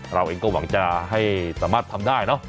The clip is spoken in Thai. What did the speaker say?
เราเองก็หวังจะให้สามารถทำได้เนอะ